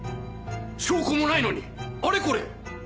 証拠もないのにあれこれ！